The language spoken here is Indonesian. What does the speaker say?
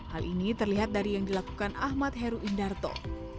hal ini terlihat dari yang dilakukan ahmad heru indarto